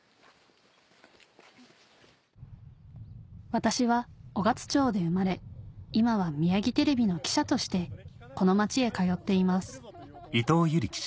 私は雄勝町で生まれ今はミヤギテレビの記者としてこの町へ通っています